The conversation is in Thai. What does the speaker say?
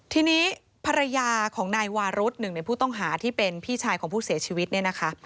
ทีนี้ภรรยาของนายวารุธหนึ่งในผู้ต้องหาที่เป็นพี่ชายของผู้เสียชีวิตเนี่ยนะคะ